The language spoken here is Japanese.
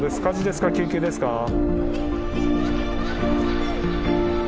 火事ですか救急ですか？